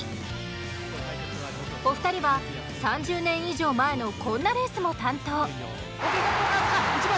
お二人は３０年以上前のこんなレースも担当。